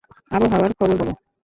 আবহাওয়ার খবর বলো।